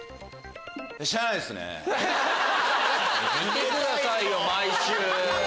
見てくださいよ毎週！